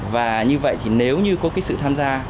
và như vậy thì nếu như có cái sự tham gia